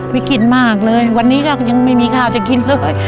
วิกฤตมากเลยวันนี้ก็ยังไม่มีข้าวจะกินเลย